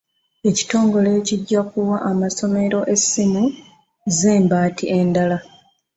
Ekitongole kijja kuwa amasomero essimu z'embaati endala.